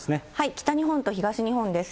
北日本と東日本です。